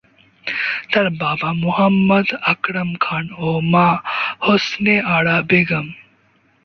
তার বাবা মোহাম্মদ আকরাম খান ও মা হোসনে আরা বেগম।